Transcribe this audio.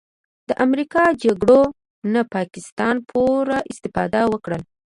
د امریکا جګړو نه پاکستان پوره استفاده وکړله